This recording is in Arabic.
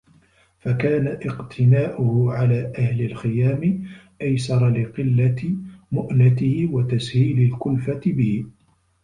فَكَانَ اقْتِنَاؤُهُ عَلَى أَهْلِ الْخِيَامِ أَيْسَرَ لِقِلَّةِ مُؤْنَتِهِ وَتَسْهِيلِ الْكُلْفَةِ بِهِ